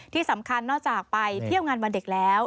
ที่สำคัญนอกจากไปเที่ยวงานวันเด็กแล้ว